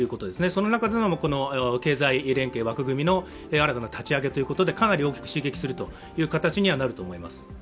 その中での経済連携枠組みの新たな立ち上げということでかなり大きく刺激するという形にはなると思います。